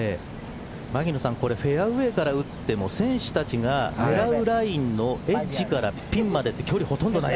牧野さん、フェアウエーから打っても選手たちが狙うラインのエッジからピンまでの距離